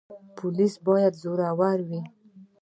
پولیس باید زړور وي